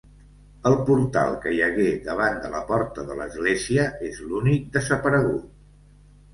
El portal que hi hagué davant de la porta de l'església és l'únic desaparegut.